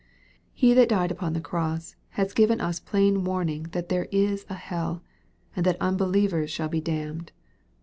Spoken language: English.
He that died upon the cross, has given us plain warning that there is a hell, and that unbelievers shall be damned.